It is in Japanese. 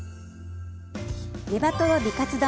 「ネバトロ美活丼」